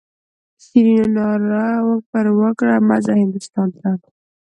شیرینو ناره پر وکړه مه ځه هندوستان ته.